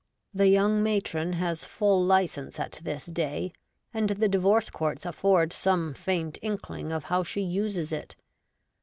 The young matron has full licence at this day, and the divorce courts afford some faint inkling of how she uses it.